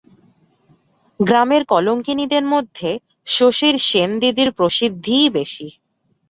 গ্রামের কলঙ্কিনীদের মধ্যে শশীর সেনদিদির প্রসিদ্ধিই বেশি।